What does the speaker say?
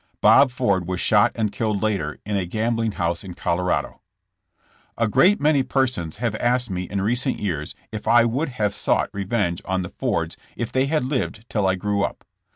Bob Ford was shot and killed later in a gambling house in Colorado. A great many persons have asked me in recent years if I would have sought revenge on the Fords if they had lived till I grew up.